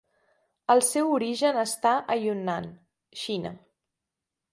El seu origen està a Yunnan, Xina.